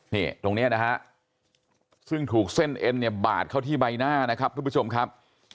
นี่ตรงนี้นะฮะซึ่งถูกเส้นเอ็นเนี่ยบาดเข้าที่ใบหน้านะครับทุกผู้ชมครับ